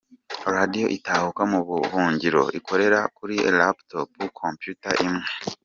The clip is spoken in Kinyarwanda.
Radio Itahuka mu buhungiro irakorera kuri laptop- computer imwe.